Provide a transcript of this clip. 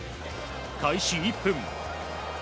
開始１分。